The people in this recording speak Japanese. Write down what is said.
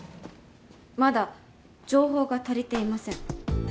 まだ情報が足りていません。